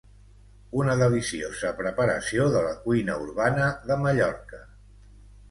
Una deliciosa preparació de la cuina urbana de Mallorca